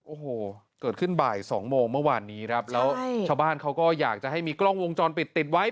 โอ้โหเกิดขึ้นบ่ายสองโมงเมื่อวานนี้ครับแล้วชาวบ้านเขาก็อยากจะให้มีกล้องวงจรปิดติดไว้